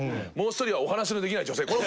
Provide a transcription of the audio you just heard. もう一人はお話しのできない女性。